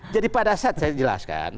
jadi pada saat saya jelaskan